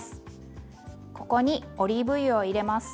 ここにオリーブ油を入れます。